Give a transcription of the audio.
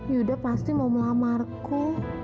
yuda pasti mau melamarku